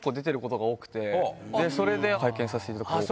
それで拝見させていただいて。